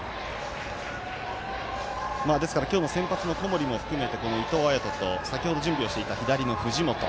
ですから今日の先発の小森も含めて伊藤彩斗と先ほど準備をしていた左の藤本。